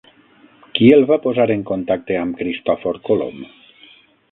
Qui el va posar en contacte amb Cristòfor Colom?